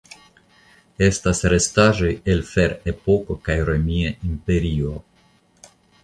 Estas restaĵoj el Ferepoko kaj Romia Imperio.